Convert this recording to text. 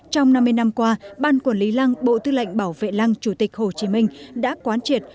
trong năm mươi năm qua ban quản lý lăng bộ tư lệnh bảo vệ lăng chủ tịch hồ chí minh đã quán triệt